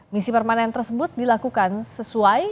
misi permanen tersebut dilakukan sesuai